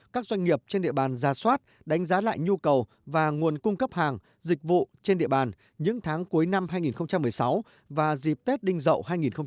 các doanh nghiệp trên địa bàn ra soát đánh giá lại nhu cầu và nguồn cung cấp hàng dịch vụ trên địa bàn những tháng cuối năm hai nghìn một mươi sáu và dịp tết đinh dậu hai nghìn một mươi chín